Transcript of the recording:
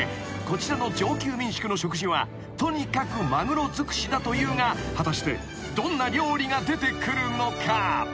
こちらの上級民宿の食事はとにかくマグロ尽くしだというが果たしてどんな料理が出てくるのか？］